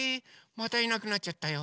またいなくなっちゃったよ。